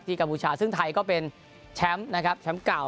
กัมพูชาซึ่งไทยก็เป็นแชมป์นะครับแชมป์เก่า